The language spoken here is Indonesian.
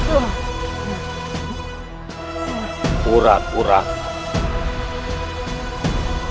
ajihan ini sirewangi